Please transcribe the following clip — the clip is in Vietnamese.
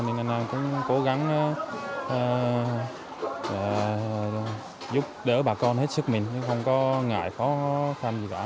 nên anh em cũng cố gắng giúp đỡ bà con hết sức mình chứ không có ngại khó khăn gì cả